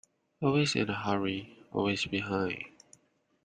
Always in a hurry, always behind.